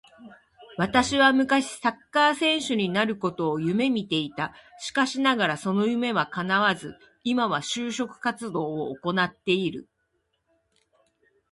私は昔サッカー選手になることを夢見ていた。しかしながらその夢は叶わず、今は就職活動を行っている